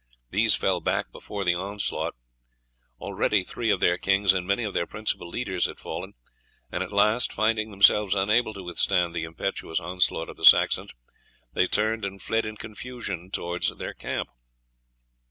These fell back before the onslaught. Already three of their kings and many of their principal leaders had fallen, and at last, finding themselves unable to withstand the impetuous onslaught of the Saxons, they turned and fled in confusion towards their camp.